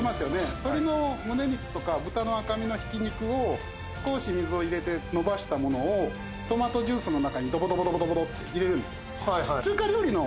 鳥の胸肉とか豚の赤身のひき肉を少ーし水を入れてのばしたものをドボドボドボドボって入れるんですよ